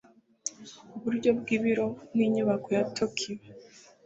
Iburyo bwibiro ni Inyubako ya Tokiyo